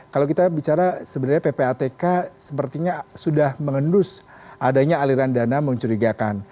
kalau kita bicara sebenarnya ppatk sepertinya sudah mengendus adanya aliran dana mencurigakan